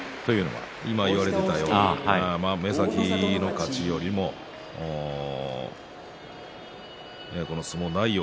今言われたように目先の勝ちよりも相撲内容